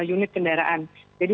unit kendaraan jadi